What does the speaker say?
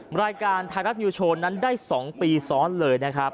รายการไทยรัฐนิวโชว์นั้นได้๒ปีซ้อนเลยนะครับ